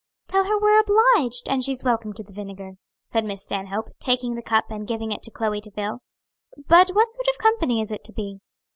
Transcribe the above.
"Tell her we're obliged, and she's welcome to the vinegar," said Miss Stanhope, taking the cup and giving it to Chloe to fill. "But what sort of company is it to be?"